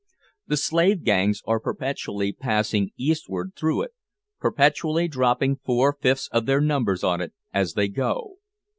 The slave gangs are perpetually passing eastward through it perpetually dropping four fifths of their numbers on it as they go.